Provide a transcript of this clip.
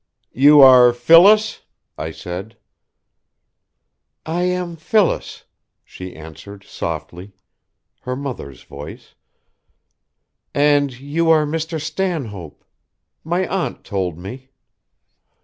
"You are Phyllis?" I said. "I am Phyllis," she answered softly her mother's voice "and you are Mr. Stanhope. My aunt told me."